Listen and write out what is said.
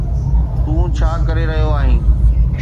تون ڇا ڪري رهيو آهين؟